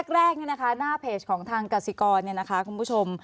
แรกหน้าเพจของทางกสิกรคุณผู้ชม